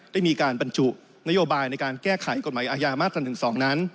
ได้มีการบรรจุนโยบายในการแก้ไขกฎหมายอาญามาตรา๑๒นั้น